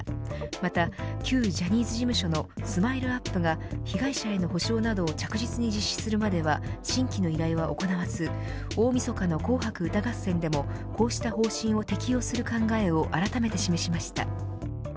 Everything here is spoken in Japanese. また、旧ジャニーズ事務所のＳＭＩＬＥ−ＵＰ．が被害者への補償などを着実に実施するまでは新規の依頼は行わず大みそかの紅白歌合戦でもこうした方針を適用する考えをあらためて示しました。